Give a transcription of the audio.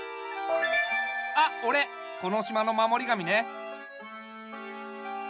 あっおれこの島の守り神ね。